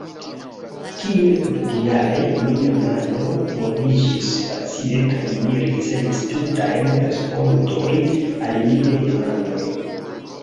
Kiel ordinare, mia mano moviĝis facile, kaj mi ricevis tujajn respondojn al niaj demandoj.